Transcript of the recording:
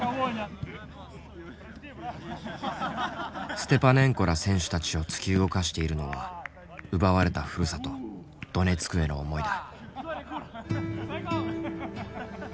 ステパネンコら選手たちを突き動かしているのは奪われたふるさとドネツクへの思いだ。